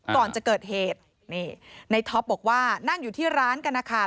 ก่อนจะเกิดเหตุนี่ในท็อปบอกว่านั่งอยู่ที่ร้านกันนะคะ